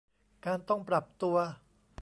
การต้องปรับตัว